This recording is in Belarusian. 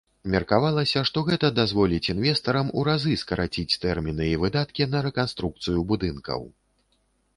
Меркавалася, што гэта дазволіць інвестарам у разы скараціць тэрміны і выдаткі на рэканструкцыю будынкаў.